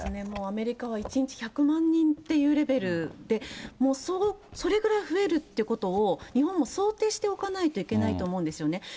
もうアメリカは１日１００万人っていうレベルで、もうそれぐらい増えるということを、日本も想定しておかないといけないと思うんですよね。